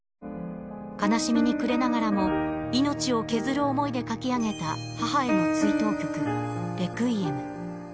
悲しみに暮れながらも、命を削る思いで書き上げた母への追悼曲、Ｒｅｑｕｉｅｍ。